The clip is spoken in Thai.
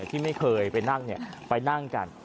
ที่ไม่เคยไปนั่งไปนั่งกัน